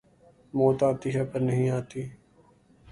موت آتی ہے پر نہیں آتی